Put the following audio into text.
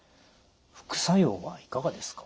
副作用はいかがですか？